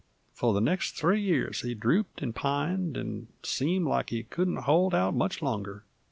For the next three years he drooped 'nd pined, and seemed like he couldn't hold out much longer.